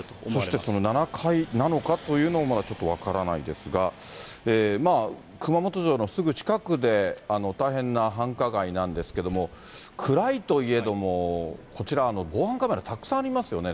そしてこの７階なのかというのもまだちょっと分からないですが、熊本城のすぐ近くで大変な繁華街なんですけども、暗いといえども、こちら、防犯カメラ、たくさんありますよね。